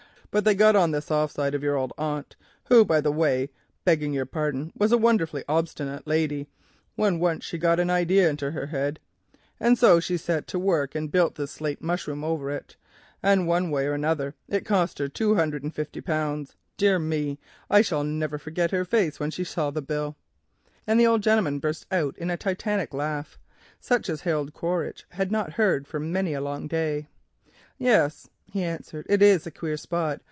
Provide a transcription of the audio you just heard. But they got on the soft side of your old aunt—who, by the way, begging your pardon, was a wonderfully obstinate old lady when once she hammered an idea into her head—and so she set to work and built this slate mushroom over the place, and one way and another it cost her two hundred and fifty pounds. Dear me! I shall never forget her face when she saw the bill," and the old gentleman burst out into a Titanic laugh, such as Harold Quaritch had not heard for many a long day. "Yes," he answered, "it is a queer spot.